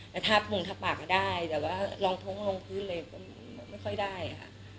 แต่ทาบมงทับปากก็ได้แต่ว่ารองท้องลงพื้นเลยก็ไม่ค่อยได้ค่ะ